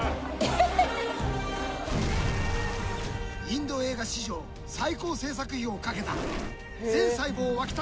インド映画史上最高製作費をかけた。